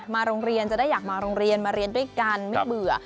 โรงเรียนจะได้อยากมาโรงเรียนมาเรียนด้วยกันไม่เบื่อ